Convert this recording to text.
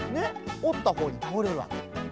おったほうにたおれるわけね。